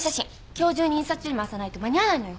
今日中に印刷所に回さないと間に合わないのよ。